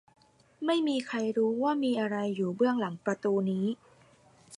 ไม่มีใครรู้ว่ามีอะไรอยู่เบื้องหลังประตูนี้